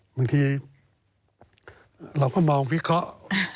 บางทีเราก็มองวิเคราะห์